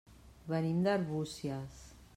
Venim d'Arbúcies.